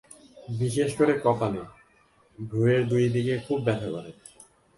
বিশেষ করে কপালে, ভ্রুয়ের দুই দিকে খুব ব্যথা করে।